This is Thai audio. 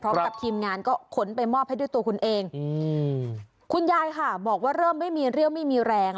พร้อมกับทีมงานก็ขนไปมอบให้ด้วยตัวคุณเองอืมคุณยายค่ะบอกว่าเริ่มไม่มีเรี่ยวไม่มีแรง